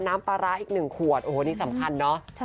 น้ำปลาร้าอีกหนึ่งขวดโอ้โหนี่สำคัญเนอะ